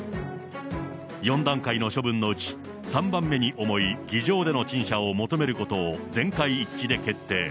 ４段階の処分のうち、３番目に重い、議場での陳謝を求めることを全会一致で決定。